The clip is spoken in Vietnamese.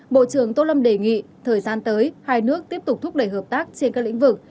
bộ trưởng tô lâm đề nghị thời gian tới hai nước tiếp tục thúc đẩy hợp tác trên các lĩnh vực